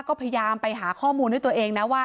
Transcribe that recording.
ก็พยายามไปหาข้อมูลด้วยตัวเองนะว่า